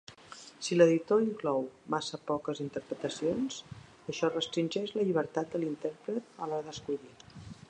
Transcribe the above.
Si l'editor inclou massa poques interpretacions, això restringeix la llibertat de l'intèrpret a l'hora d'escollir.